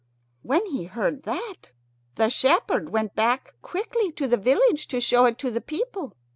When he heard that the shepherd went back quickly to the village to show it to the people.